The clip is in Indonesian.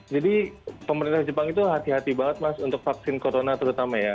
jadi pemerintah jepang itu hati hati banget mas untuk vaksin corona terutama ya